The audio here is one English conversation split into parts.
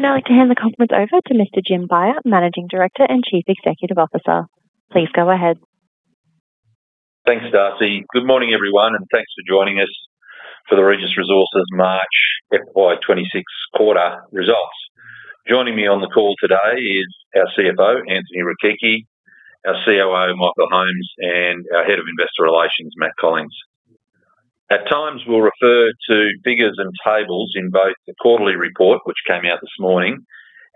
I would now like to hand the conference over to Mr. Jim Beyer, Managing Director and Chief Executive Officer. Please go ahead. Thanks, Darcy. Good morning, everyone, and thanks for joining us for the Regis Resources March FY 2026 quarter results. Joining me on the call today is our CFO, Anthony Rechichi, our COO, Michael Holmes, and our Head of Investor Relations, Matt Collins. At times, we'll refer to figures and tables in both the quarterly report, which came out this morning,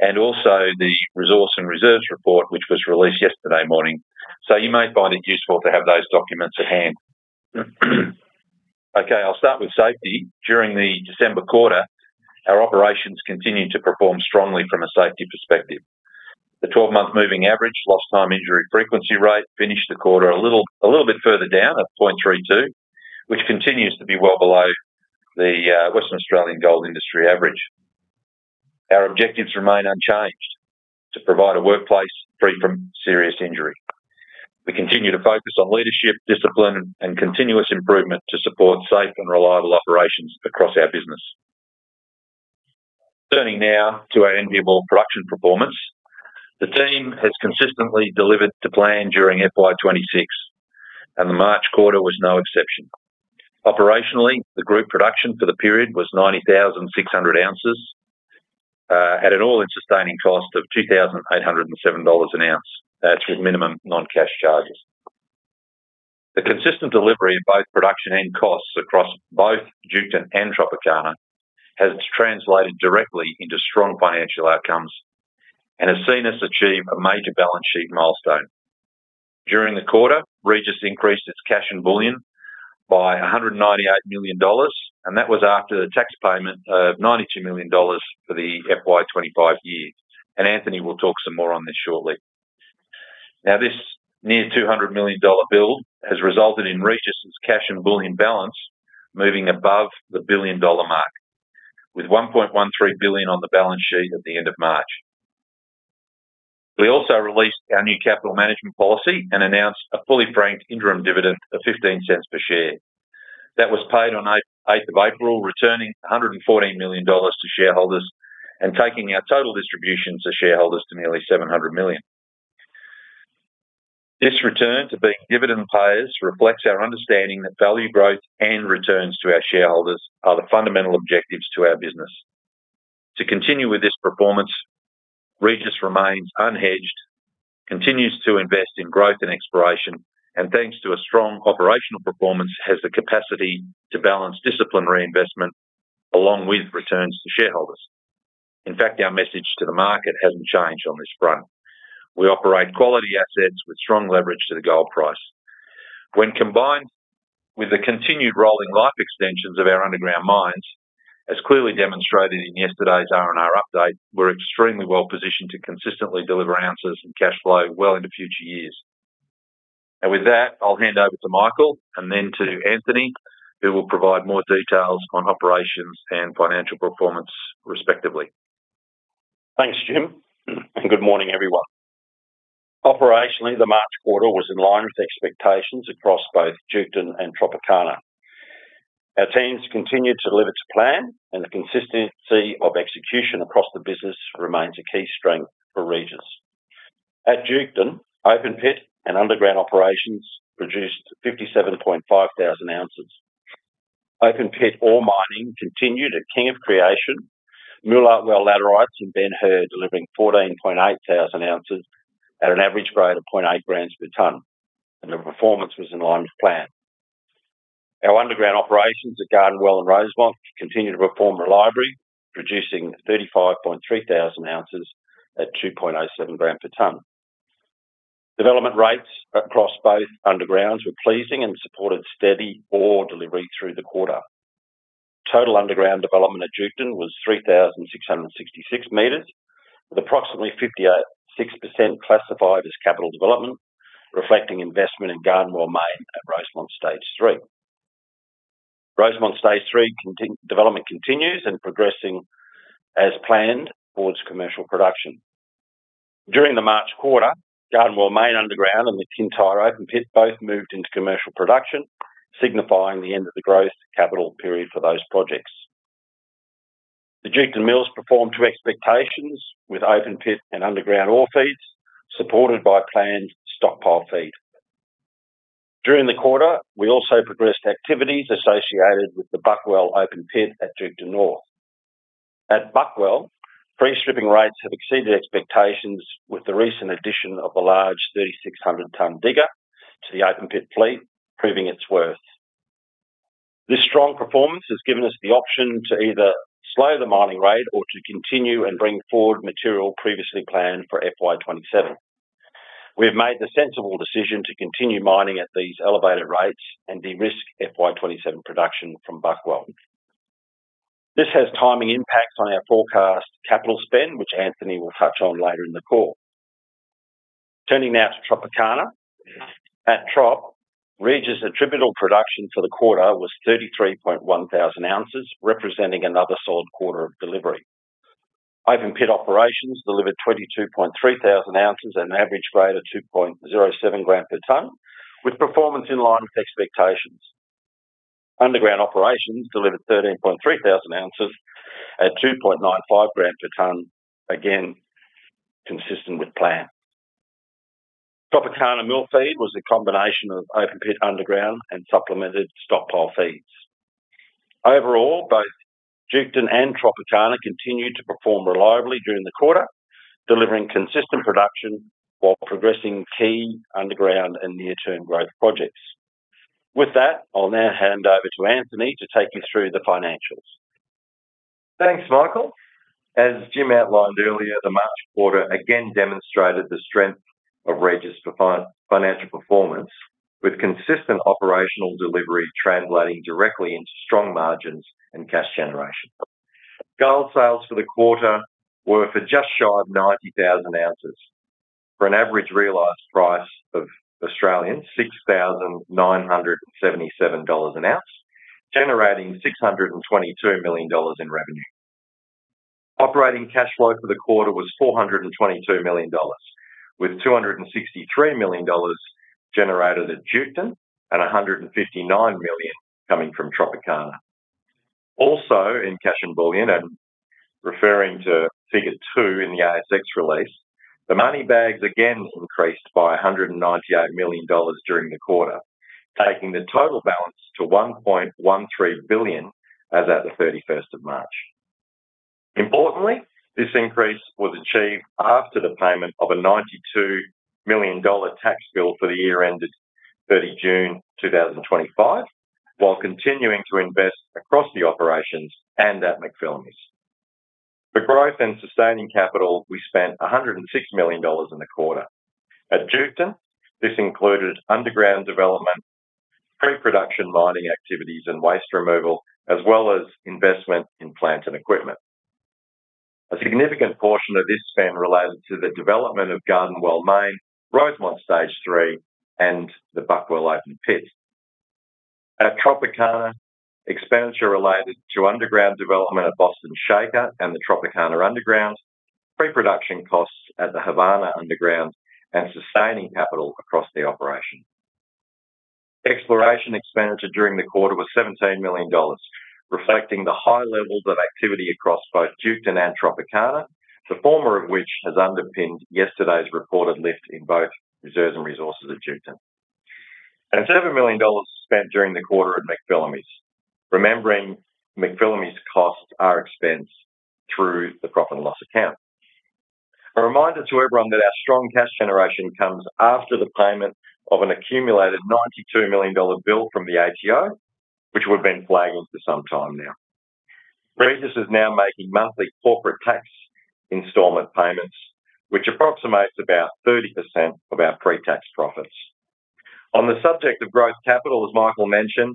and also the resource and reserves report, which was released yesterday morning. You may find it useful to have those documents at hand. Okay, I'll start with safety. During the December quarter, our operations continued to perform strongly from a safety perspective. The 12-month moving average lost time injury frequency rate finished the quarter a little bit further down at 0.32, which continues to be well below the Western Australian gold industry average. Our objectives remain unchanged, to provide a workplace free from serious injury. We continue to focus on leadership, discipline, and continuous improvement to support safe and reliable operations across our business. Turning now to our NBL production performance. The team has consistently delivered to plan during FY 2026, and the March quarter was no exception. Operationally, the group production for the period was 90,600 oz. Had an all-in sustaining cost of 2,807 dollars an ounce, with minimum non-cash charges. The consistent delivery of both production and costs across both Duketon and Tropicana has translated directly into strong financial outcomes and has seen us achieve a major balance sheet milestone. During the quarter, Regis increased its cash in bullion by 198 million dollars, and that was after the tax payment of 92 million dollars for the FY 2025 year. Anthony will talk some more on this shortly. Now, this near 200 million-dollar build has resulted in Regis' cash and bullion balance moving above the billion-dollar mark, with 1.13 billion on the balance sheet at the end of March. We also released our new capital management policy and announced a fully franked interim dividend of 0.15 per share that was paid on 8th of April, returning 114 million dollars to shareholders and taking our total distributions to shareholders to nearly 700 million. This return to being dividend payers reflects our understanding that value growth and returns to our shareholders are the fundamental objectives to our business. To continue with this performance, Regis remains unhedged, continues to invest in growth and exploration, and thanks to a strong operational performance, has the capacity to balance disciplined reinvestment along with returns to shareholders. In fact, our message to the market hasn't changed on this front. We operate quality assets with strong leverage to the gold price. When combined with the continued rolling life extensions of our underground mines, as clearly demonstrated in yesterday's R&R update, we're extremely well-positioned to consistently deliver ounces and cash flow well into future years. With that, I'll hand over to Michael and then to Anthony, who will provide more details on operations and financial performance, respectively. Thanks, Jim. Good morning, everyone. Operationally, the March quarter was in line with expectations across both Duketon and Tropicana. Our teams continued to deliver to plan, and the consistency of execution across the business remains a key strength for Regis. At Duketon, open pit and underground operations produced 57,500 oz. Open pit ore mining continued at King of Creation. Moolart Well laterites and Ben Hur delivering 14,800 oz at an average grade of 0.8 g per tonne, and the performance was in line with plan. Our underground operations at Garden Well and Rosemont continued to perform reliably, producing 35,300 oz at 2.07 g per tonne. Development rates across both undergrounds were pleasing and supported steady ore delivery through the quarter. Total underground development at Duketon was 3,666 m, with approximately 56% classified as capital development, reflecting investment in Garden Well main at Rosemont Stage 3. Rosemont Stage 3 development continues and progressing as planned towards commercial production. During the March quarter, Garden Well main underground and the Kintyre open pit both moved into commercial production, signifying the end of the growth capital period for those projects. The Duketon mills performed to expectations with open pit and underground ore feeds, supported by planned stockpile feed. During the quarter, we also progressed activities associated with the Buckwell open pit at Duketon North. At Buckwell, pre-stripping rates have exceeded expectations, with the recent addition of a large 3,600-tonne digger to the open pit fleet, proving its worth. This strong performance has given us the option to either slow the mining rate or to continue and bring forward material previously planned for FY 2027. We have made the sensible decision to continue mining at these elevated rates and de-risk FY 2027 production from Buckwell. This has timing impacts on our forecast capital spend, which Anthony will touch on later in the call. Turning now to Tropicana. At Tropicana, Regis' attributable production for the quarter was 33,100 oz, representing another solid quarter of delivery. Open pit operations delivered 22,300 oz at an average grade of 2.07 g per tonne, with performance in line with expectations. Underground operations delivered 13,300 oz at 2.95 g per tonne, again, consistent with plan. Tropicana mill feed was a combination of open pit, underground, and supplemented stockpile feeds. Overall, both Duketon and Tropicana continued to perform reliably during the quarter, delivering consistent production while progressing key underground and near-term growth projects. With that, I'll now hand over to Anthony to take you through the financials. Thanks, Michael. As Jim outlined earlier, the March quarter again demonstrated the strength of Regis' financial performance with consistent operational delivery translating directly into strong margins and cash generation. Gold sales for the quarter were for just shy of 90,000 oz for an average realized price of 6,977 dollars an ounce, generating 622 million dollars in revenue. Operating cash flow for the quarter was 422 million dollars, with 263 million dollars generated at Duketon and 159 million coming from Tropicana. Also, in cash and bullion, and referring to figure two in the ASX release, the money bags again increased by 198 million dollars during the quarter, taking the total balance to 1.13 billion as at the 31st of March. Importantly, this increase was achieved after the payment of a 92 million dollar tax bill for the year ended 30 June 2025, while continuing to invest across the operations and at McPhillamys'. For growth and sustaining capital, we spent 106 million dollars in the quarter. At Duketon, this included underground development, pre-production mining activities, and waste removal, as well as investment in plant and equipment. A significant portion of this spend related to the development of Garden Well Main, Rosemont Stage 3, and the Buckwell open pit. At Tropicana, expenditure related to underground development of Boston Shaker and the Tropicana underground, pre-production costs at the Havana underground, and sustaining capital across the operation. Exploration expenditure during the quarter was 17 million dollars, reflecting the high levels of activity across both Duketon and Tropicana, the former of which has underpinned yesterday's reported lift in both reserves and resources at Duketon. 17 million dollars spent during the quarter at McPhillamys. Remembering McPhillamys costs are expensed through the profit and loss account. A reminder to everyone that our strong cash generation comes after the payment of an accumulated 92 million dollar bill from the ATO, which we've been flagging for some time now. Regis is now making monthly corporate tax installment payments, which approximates about 30% of our pre-tax profits. On the subject of growth capital, as Michael mentioned,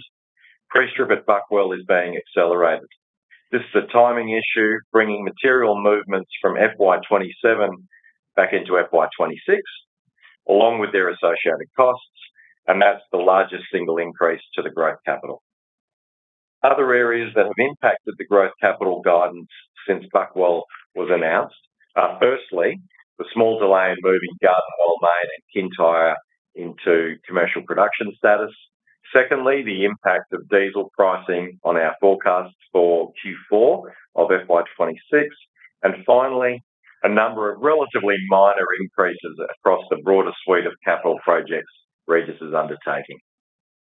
pre-strip at Buckwell is being accelerated. This is a timing issue, bringing material movements from FY 2027 back into FY 2026, along with their associated costs, and that's the largest single increase to the growth capital. Other areas that have impacted the growth capital guidance since Buckwell was announced are firstly, the small delay in moving Garden Well Main and Kintyre into commercial production status. Secondly, the impact of diesel pricing on our forecasts for Q4 of FY 2026. Finally, a number of relatively minor increases across the broader suite of capital projects Regis is undertaking.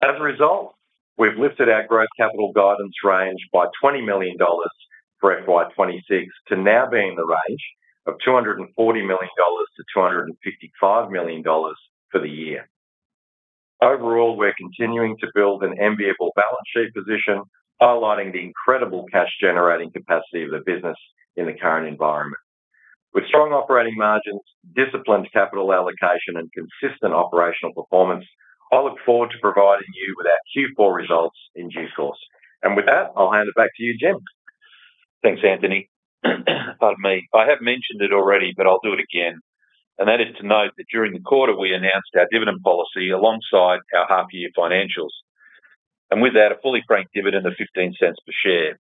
As a result, we've lifted our growth capital guidance range by 20 million dollars for FY 2026 to now be in the range of 240 million-255 million dollars for the year. Overall, we're continuing to build an enviable balance sheet position, highlighting the incredible cash-generating capacity of the business in the current environment. With strong operating margins, disciplined capital allocation, and consistent operational performance, I look forward to providing you with our Q4 results in due course. With that, I'll hand it back to you, Jim. Thanks, Anthony. Pardon me. I have mentioned it already, but I'll do it again, and that is to note that during the quarter, we announced our dividend policy alongside our half-year financials. With that, a fully franked dividend of 0.15 per share,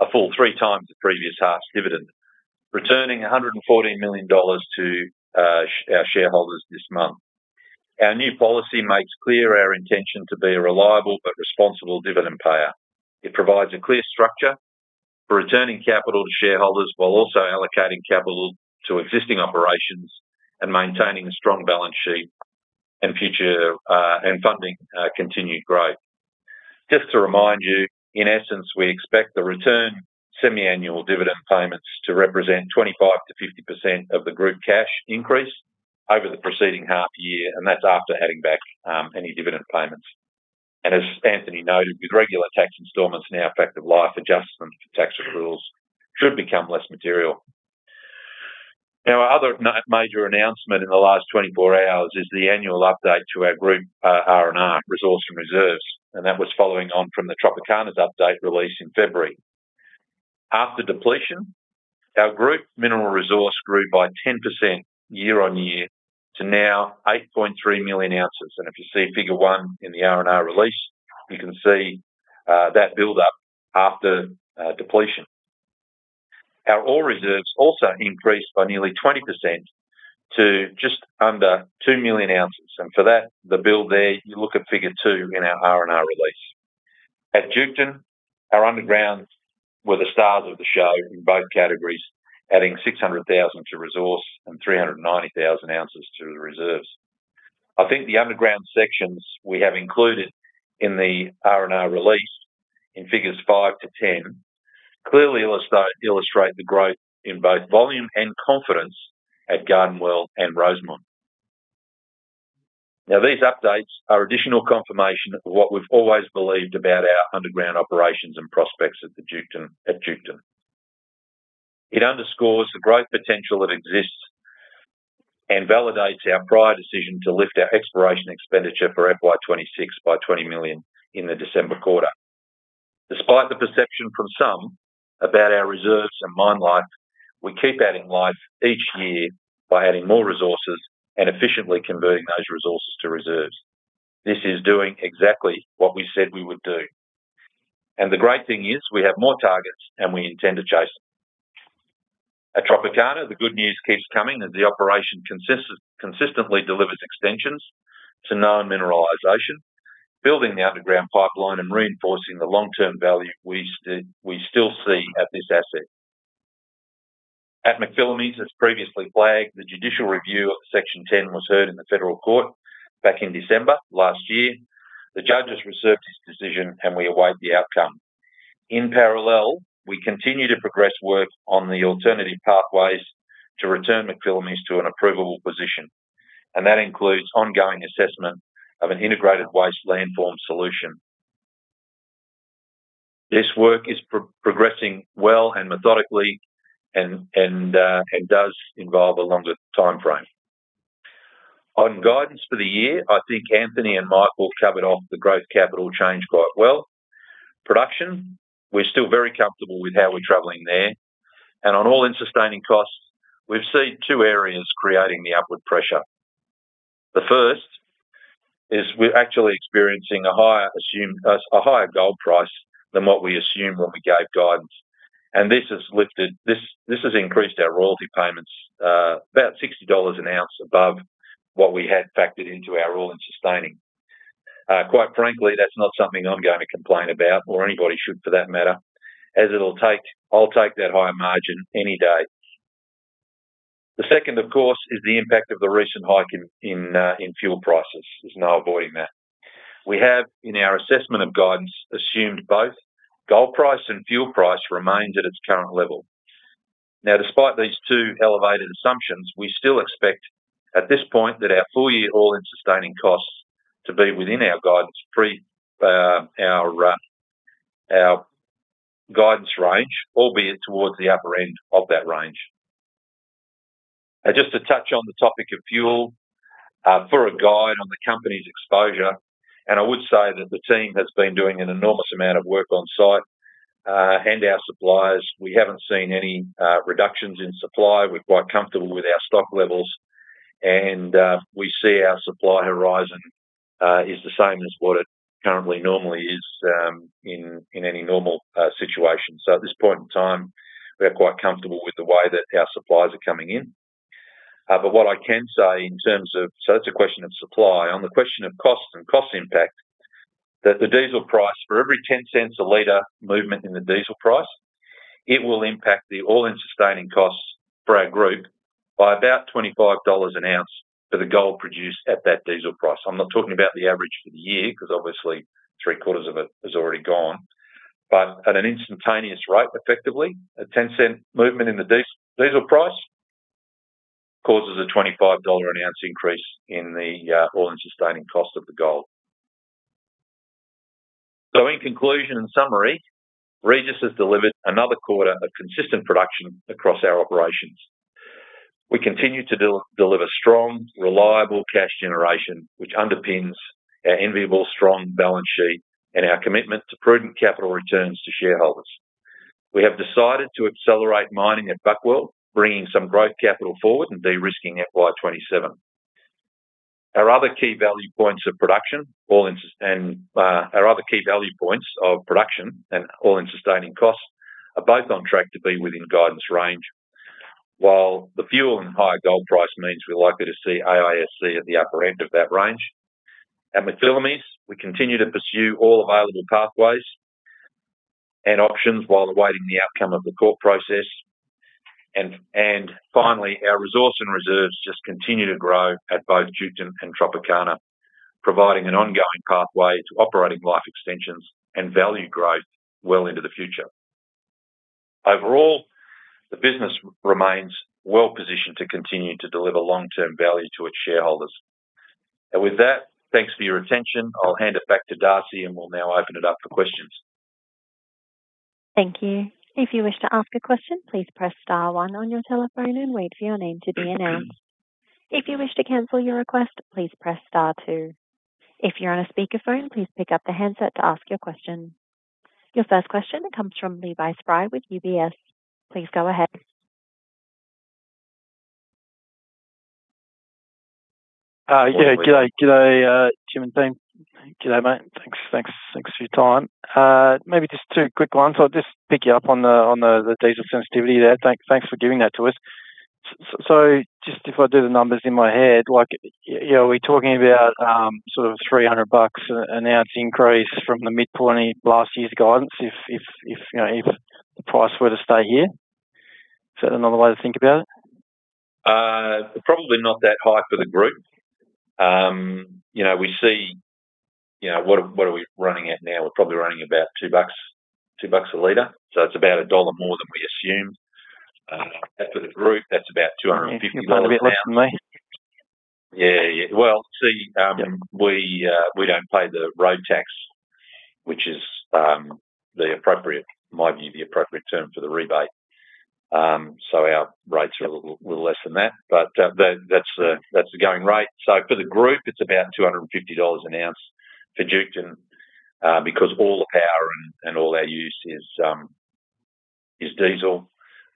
a full 3x the previous half's dividend, returning 114 million dollars to our shareholders this month. Our new policy makes clear our intention to be a reliable but responsible dividend payer. It provides a clear structure for returning capital to shareholders while also allocating capital to existing operations and maintaining a strong balance sheet and future, and funding continued growth. Just to remind you, in essence, we expect the return semiannual dividend payments to represent 25%-50% of the group cash increase over the preceding half year, and that's after adding back any dividend payments. As Anthony noted, with regular tax installments now a fact of life, adjustments for tax renewals should become less material. Now, our other major announcement in the last 24 hours is the annual update to our group, R&R, resource and reserves, and that was following on from the Tropicana's update released in February. After depletion, our group mineral resource grew by 10% year-over-year to now 8.3 million ounces. If you see figure one in the R&R release, you can see that buildup after depletion. Our ore reserves also increased by nearly 20% to just under 2 million ounces. For that, the build there, you look at figure two in our R&R release. At Duketon, our undergrounds were the stars of the show in both categories, adding 600,000 oz to resource and 390,000 oz to the reserves. I think the underground sections we have included in the R&R release in figures five to 10 clearly illustrate the growth in both volume and confidence at Garden Well and Rosemont. Now, these updates are additional confirmation of what we've always believed about our underground operations and prospects at Duketon. It underscores the growth potential that exists and validates our prior decision to lift our exploration expenditure for FY 2026 by 20 million in the December quarter. Despite the perception from some about our reserves and mine life, we keep adding life each year by adding more resources and efficiently converting those resources to reserves. This is doing exactly what we said we would do. The great thing is we have more targets and we intend to chase them. At Tropicana, the good news keeps coming as the operation consistently delivers extensions to known mineralization, building the underground pipeline and reinforcing the long-term value we still see at this asset. At McPhillamys, as previously flagged, the judicial review of section 10 was heard in the Federal Court back in December last year. The judge has reserved his decision and we await the outcome. In parallel, we continue to progress work on the alternative pathways to return McPhillamys to an approvable position, and that includes ongoing assessment of an integrated waste landform solution. This work is progressing well and methodically and does involve a longer timeframe. On guidance for the year, I think Anthony and Michael covered off the growth capital change quite well. Production, we're still very comfortable with how we're traveling there. On all-in sustaining costs, we've seen two areas creating the upward pressure. The first is we're actually experiencing a higher gold price than what we assumed when we gave guidance. This has increased our royalty payments about 60 dollars an ounce above what we had factored into our all-in sustaining. Quite frankly, that's not something I'm going to complain about or anybody should for that matter, as I'll take that higher margin any day. The second, of course, is the impact of the recent hike in fuel prices. There's no avoiding that. We have, in our assessment of guidance, assumed both gold price and fuel price remains at its current level. Now, despite these two elevated assumptions, we still expect at this point that our full-year all-in sustaining costs to be within our guidance range, albeit towards the upper end of that range. Now, just to touch on the topic of fuel, as a guide on the company's exposure, I would say that the team has been doing an enormous amount of work on-site and our suppliers. We haven't seen any reductions in supply. We're quite comfortable with our stock levels, and we see our supply horizon is the same as what it currently normally is in any normal situation. At this point in time, we are quite comfortable with the way that our suppliers are coming in. That's a question of supply. On the question of cost and cost impact, the diesel price for every 0.10 a liter movement in the diesel price will impact the all-in sustaining costs for our group by about 25 dollars an ounce for the gold produced at that diesel price. I'm not talking about the average for the year, because obviously three-quarters of it is already gone. At an instantaneous rate, effectively, an 0.10 movement in the diesel price causes an AUD 25-per-ounce increase in the all-in sustaining cost of the gold. In conclusion, in summary, Regis has delivered another quarter of consistent production across our operations. We continue to deliver strong, reliable cash generation, which underpins our enviable strong balance sheet and our commitment to prudent capital returns to shareholders. We have decided to accelerate mining at Buckwell, bringing some growth capital forward and de-risking it by 2027. Our other key value points of production and all-in sustaining costs are both on track to be within guidance range. While the fuel and higher gold price means we're likely to see AISC at the upper end of that range. At McPhillamys, we continue to pursue all available pathways and options while awaiting the outcome of the court process. Finally, our resources and reserves just continue to grow at both Duketon and Tropicana, providing an ongoing pathway to operating life extensions and value growth well into the future. Overall, the business remains well-positioned to continue to deliver long-term value to its shareholders. With that, thanks for your attention. I'll hand it back to Darcy, and we'll now open it up for questions. Thank you. If you wish to ask a question, please press star one on your telephone and wait for you name to be announced. If you wish to cancel your question, please press star two. If you are on a speaker phone, please pick up the handset to ask your question. Your first question comes from Levi Spry with UBS. Please go ahead. Yeah. Good day, Jim and team. Good day, mate. Thanks for your time. Maybe just two quick ones. I'll just pick you up on the diesel sensitivity there. Thanks for giving that to us. Just if I do the numbers in my head, are we talking about sort of 300 bucks an ounce increase from the mid AUD 1.20 last year's guidance if the price were to stay here? Is that another way to think about it? Probably not that high for the group. What are we running at now? We're probably running about 2 bucks a liter. So it's about AUD 1 more than we assumed. For the group, that's about 250 dollars less. Yeah. You're paying a bit less than me. Yeah. Well, we don't pay the road tax, which is, in my view, the appropriate term for the rebate. Our rates are a little less than that. That's the going rate. For the group, it's about 250 dollars an ounce for Duketon because all the power and all our use is diesel.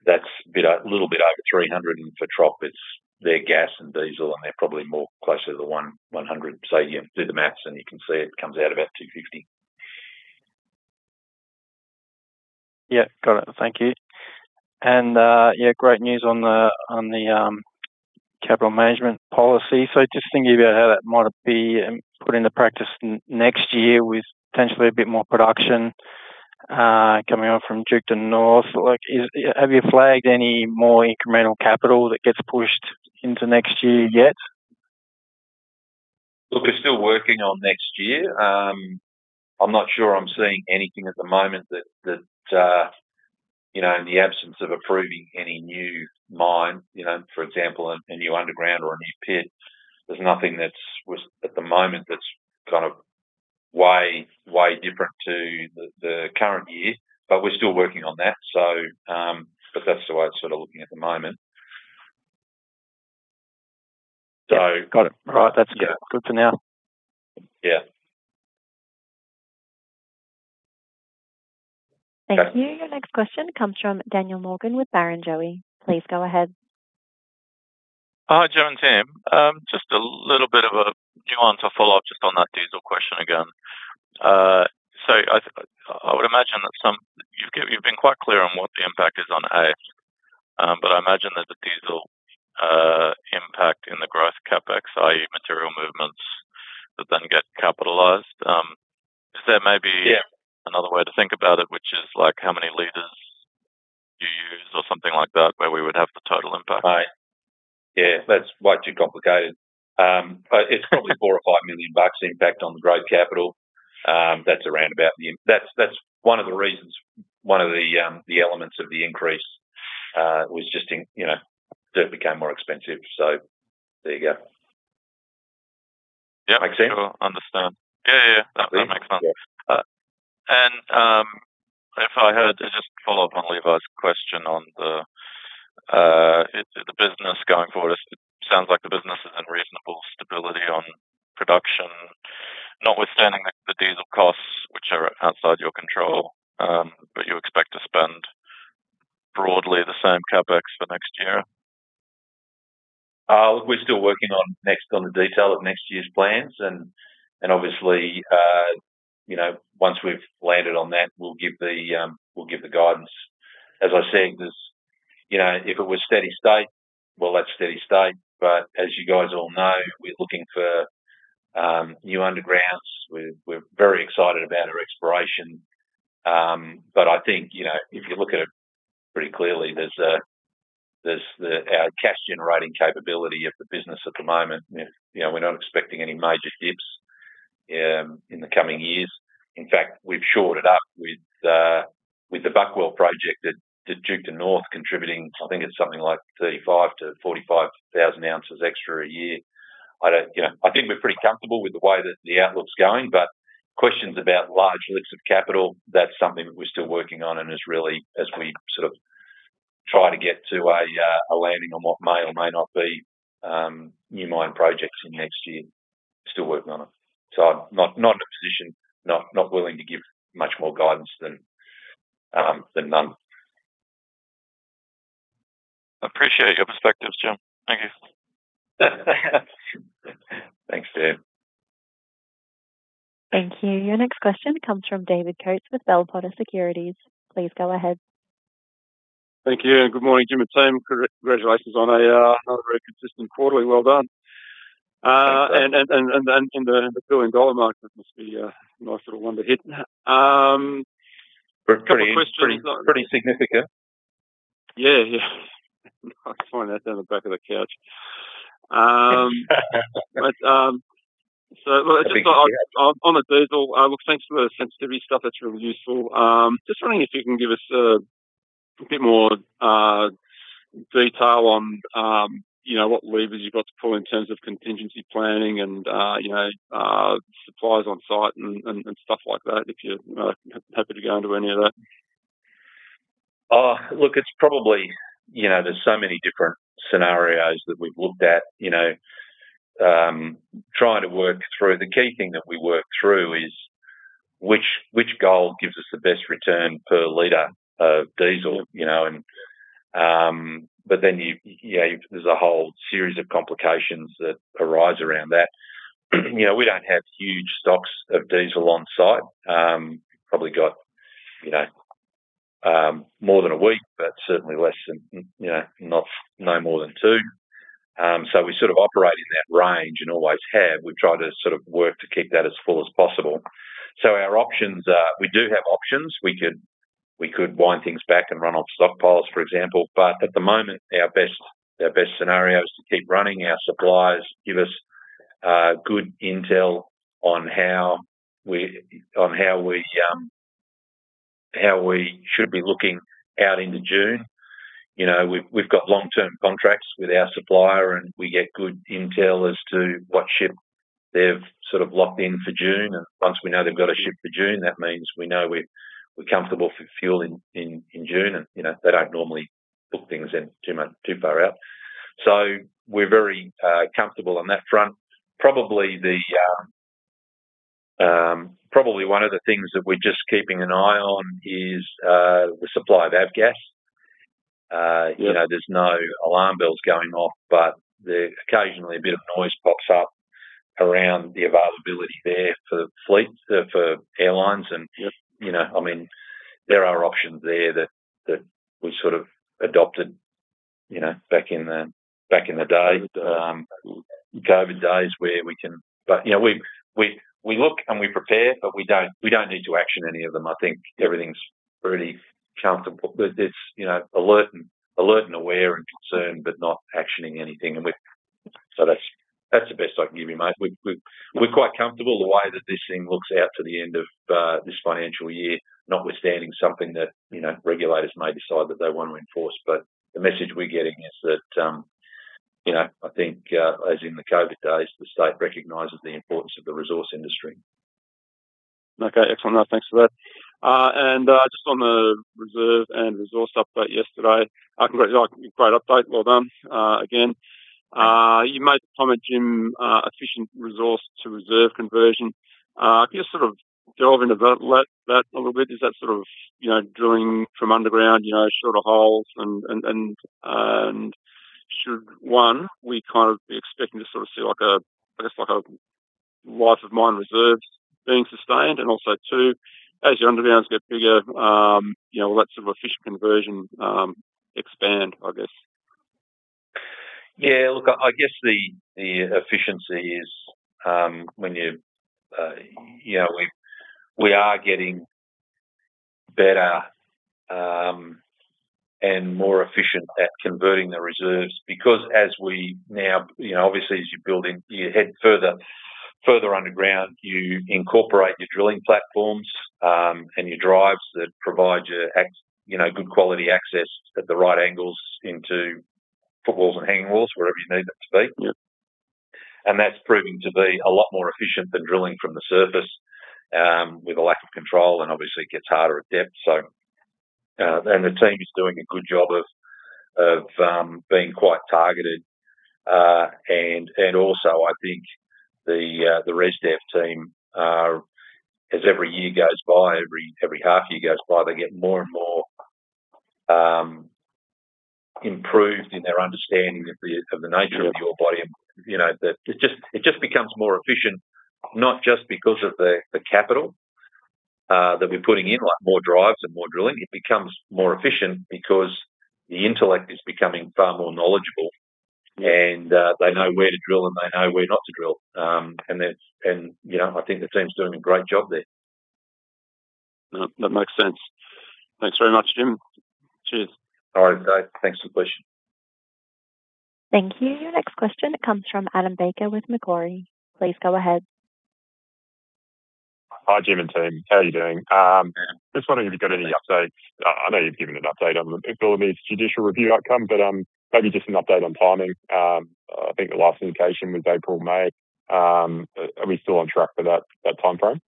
That's a little bit over 300, and for Tropicana it's their gas and diesel, and they're probably more closer to the 100. Yeah, do the math and you can see it comes out about 250. Yeah, got it. Thank you. Great news on the capital management policy. Just thinking about how that might be put into practice next year with potentially a bit more production coming on from Duketon North. Have you flagged any more incremental capital that gets pushed into next year yet? Look, we're still working on next year. I'm not sure I'm seeing anything at the moment that, in the absence of approving any new mine, for example, a new underground or a new pit, there's nothing at the moment that's way different to the current year. We're still working on that. That's the way it's sort of looking at the moment. Got it. All right. That's good for now. Yeah. Thank you. Your next question comes from Daniel Morgan with Barrenjoey. Please go ahead. Hi, Jim and team. Just a little bit of a nuance or follow-up just on that diesel question again. I would imagine that. You've been quite clear on what the impact is on A, but I imagine there's a diesel impact in the growth CapEx, i.e., material movements that then get capitalized. Is there maybe- Yeah another way to think about it, which is like how many liters you use or something like that where we would have the total impact? Right. Yeah, that's way too complicated. It's probably 4 million or 5 million bucks impact on the growth capital. That's one of the reasons, one of the elements of the increase, was just dirt became more expensive. There you go. Yep. Make sense? Sure. I understand. Yeah. That makes sense. Yeah. If I heard, just to follow up on Levi's question on the business going forward, it sounds like the business is in reasonable stability on production, notwithstanding the diesel costs, which are outside your control. You expect to spend broadly the same CapEx for next year? We're still working on the detail of next year's plans, and obviously, once we've landed on that, we'll give the guidance. As I said, if it were steady state, well, that's steady state. As you guys all know, we're looking for new undergrounds. We're very excited about our exploration. I think, if you look at it pretty clearly, there's our cash-generating capability of the business at the moment. We're not expecting any major dips in the coming years. In fact, we've shored it up with the Buckwell project at Duketon North contributing, I think it's something like 35,000 oz-45,000 oz extra a year. I think we're pretty comfortable with the way that the outlook's going. Questions about large lifts of capital, that's something that we're still working on and has really, as we sort of try to get to a landing on what may or may not be new mine projects in next year. Still working on it. I'm not in a position, not willing to give much more guidance than none. Appreciate your perspectives, Jim. Thank you. Thanks, Dan. Thank you. Your next question comes from David Coates with Bell Potter Securities. Please go ahead. Thank you, and good morning, Jim and team. Congratulations on another very consistent quarterly, well done. Thanks. In the billion-dollar market must be a nice little one to hit. Couple of questions on- Pretty significant. Yeah. I found that down the back of the couch. On the diesel, look, thanks for the sensitivity stuff. That's really useful. Just wondering if you can give us a bit more detail on what levers you've got to pull in terms of contingency planning and supplies on site and stuff like that, if you're happy to go into any of that. Look, there's so many different scenarios that we've looked at. The key thing that we work through is which goal gives us the best return per liter of diesel. There's a whole series of complications that arise around that. We don't have huge stocks of diesel on site. Probably got more than a week, but certainly no more than two. We sort of operate in that range and always have. We've tried to sort of work to keep that as full as possible. Our options are, we do have options. We could wind things back and run off stockpiles, for example. At the moment, our best scenario is to keep running our suppliers, give us good intel on how we should be looking out into June. We've got long-term contracts with our supplier, and we get good intel as to what ship they've sort of locked in for June. Once we know they've got a ship for June, that means we know we're comfortable for fuel in June, and they don't normally book things in too far out. We're very comfortable on that front. Probably one of the things that we're just keeping an eye on is the supply of Avgas. Yeah. There's no alarm bells going off, but occasionally a bit of noise pops up around the availability there for fleets, for airlines and- Yep I mean, there are options there that we sort of adopted back in the day, the COVID days, where we can. We look and we prepare, but we don't need to action any of them. I think everything's pretty comfortable. It's alert and aware and concerned, but not actioning anything. That's the best I can give you, mate. We're quite comfortable the way that this thing looks out to the end of this financial year, notwithstanding something that regulators may decide that they want to enforce. The message we're getting is that, I think, as in the COVID days, the state recognizes the importance of the resource industry. Okay. Excellent. Thanks for that. Just on the reserve and resource update yesterday. Great update. Well done again. You made comment, Jim, efficient resource to reserve conversion. Can you sort of delve into that a little bit? Is that sort of drilling from underground, shorter holes and should, one, we kind of be expecting to sort of see I guess a life of mine reserves being sustained and also, two, as your undergrounds get bigger, will that sort of efficient conversion expand, I guess? Yeah, look, I guess the efficiency is when we are getting better and more efficient at converting the reserves because as we know, obviously as you're building, you head further underground, you incorporate your drilling platforms, and your drives that provide you good quality access at the right angles into footwalls and hanging walls, wherever you need them to be. Yeah. That's proving to be a lot more efficient than drilling from the surface, with a lack of control and obviously gets harder at depth. The team's doing a good job of being quite targeted. Also I think the ResDev team, as every year goes by, every half year goes by, they get more and more improved in their understanding of the nature of the ore body. It just becomes more efficient, not just because of the capital that we're putting in, like more drives and more drilling. It becomes more efficient because the intellect is becoming far more knowledgeable and they know where to drill and they know where not to drill. I think the team's doing a great job there. That makes sense. Thanks very much, Jim. Cheers. All right. Thanks for the question. Thank you. Next question comes from Adam Baker with Macquarie. Please go ahead. Hi, Jim and team. How are you doing? Good. Just wondering if you've got any updates. I know you've given an update on the Pilbara's judicial review outcome, but maybe just an update on timing. I think the last indication was April, May. Are we still on track for that timeframe?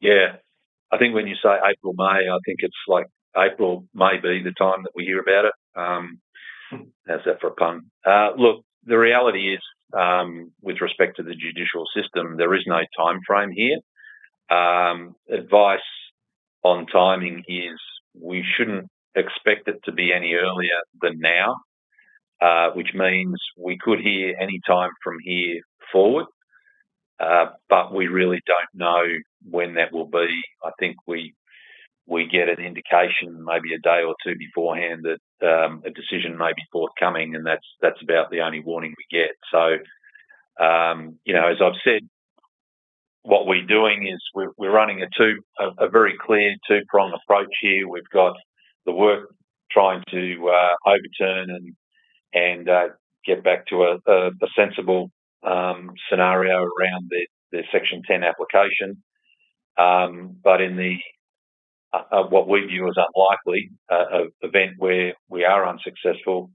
Yeah. I think when you say April, May, I think it's like April may be the time that we hear about it. How's that for a pun? Look, the reality is, with respect to the judicial system, there is no timeframe here. Advice on timing is we shouldn't expect it to be any earlier than now, which means we could hear any time from here forward. We really don't know when that will be. I think we get an indication maybe a day or two beforehand that a decision may be forthcoming, and that's about the only warning we get. As I've said, what we're doing is we're running a very clear two-pronged approach here. We've got the work trying to overturn and get back to a sensible scenario around the section 10 application. In the, what we view as unlikely, event where we are unsuccessful,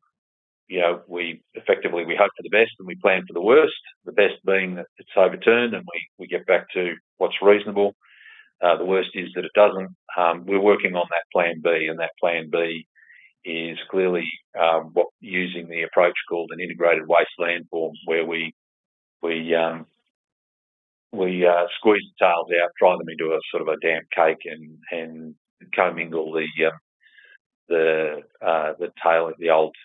we effectively hope for the best and we plan for the worst. The best being that it's overturned and we get back to what's reasonable. The worst is that it doesn't. We're working on that plan B, and that plan B is clearly using the approach called an integrated waste landform, where we squeeze the tails out, dry them into a sort of a damp cake, and co-mingle the old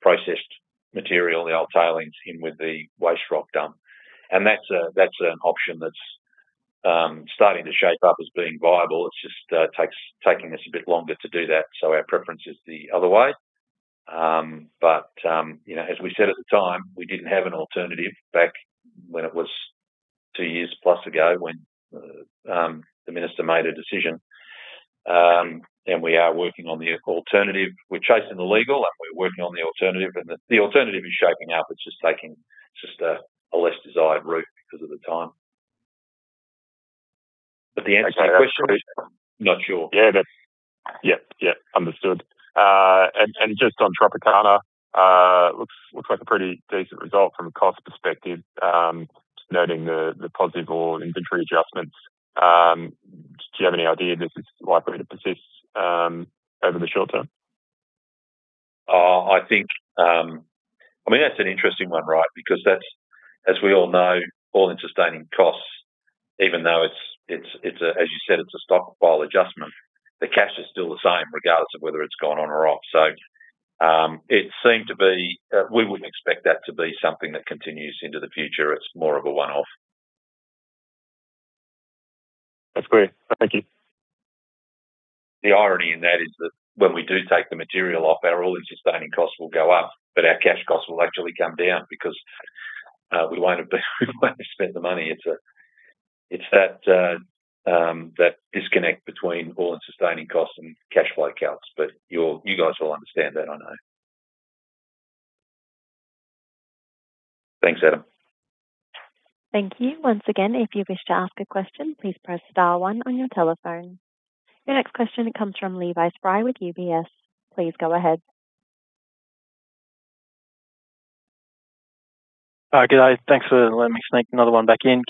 processed material, the old tailings in with the waste rock dump. That's an option that's starting to shape up as being viable. It's just taking us a bit longer to do that, so our preference is the other way. as we said at the time, we didn't have an alternative back when it was 2+ years ago when the minister made a decision. We are working on the alternative. We're chasing the legal, and we're working on the alternative. The alternative is shaping up. It's just taking a less desired route because of the time. The answer to your question is not sure. Yeah. Understood. Just on Tropicana, looks like a pretty decent result from a cost perspective, just noting the positive or inventory adjustments. Do you have any idea if this is likely to persist over the short term? That's an interesting one, right? Because that's, as we all know, all-in sustaining costs, even though it's, as you said, it's a stockpile adjustment. The cash is still the same regardless of whether it's gone on or off. We wouldn't expect that to be something that continues into the future. It's more of a one-off. That's great. Thank you. The irony in that is that when we do take the material off, our all-in sustaining costs will go up, but our cash costs will actually come down because we won't have spent the money. It's that disconnect between all-in sustaining costs and cash flow accounts. You guys all understand that, I know. Thanks, Adam. Thank you. Once again, if you wish to ask a question, please press star one on your telephone. Your next question comes from Levi Spry with UBS. Please go ahead. Hi, good day. Thanks for letting me sneak another one back in.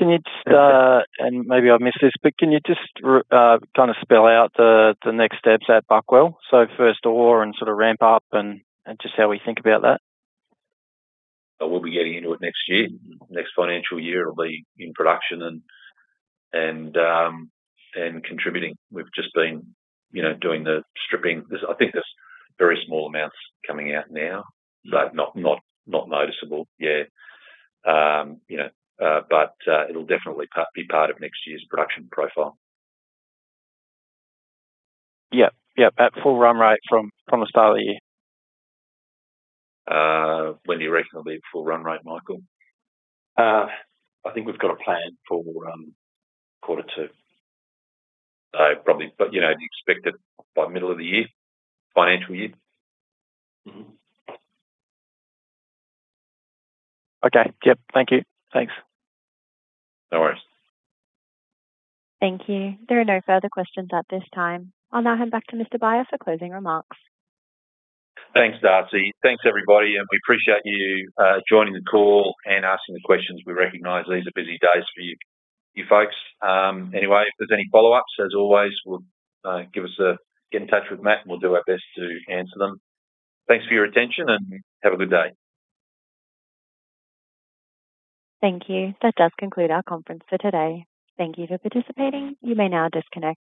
Maybe I've missed this, can you just kind of spell out the next steps at Buckwell? First ore and sort of ramp up and just how we think about that. We'll be getting into it next year. Next financial year, it'll be in production and contributing. We've just been doing the stripping. I think there's very small amounts coming out now, but not noticeable yet. It'll definitely be part of next year's production profile. Yep. At full run rate from the start of the year. When do you reckon it'll be at full run rate, Michael? I think we've got a plan for quarter two. Probably, you'd expect it by middle of the year, financial year. Okay. Yep. Thank you. Thanks. No worries. Thank you. There are no further questions at this time. I'll now hand back to Mr. Beyer for closing remarks. Thanks, Darcy. Thanks, everybody, and we appreciate you joining the call and asking the questions. We recognize these are busy days for you folks. Anyway, if there's any follow-ups, as always, get in touch with Matt, and we'll do our best to answer them. Thanks for your attention, and have a good day. Thank you. That does conclude our conference for today. Thank you for participating. You may now disconnect.